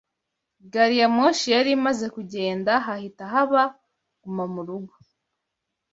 Gari ya moshi yari imaze kugenda hahita haba gumamurugo.